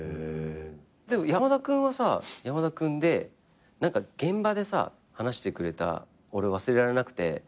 でも山田君はさ山田君で現場でさ話してくれた俺忘れられなくて。